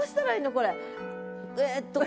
これ。ええっと